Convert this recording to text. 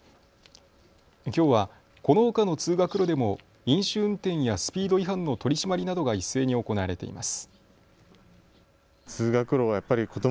きょうはこのほかの通学路でも飲酒運転やスピード違反の取締りなどが一斉に行われています。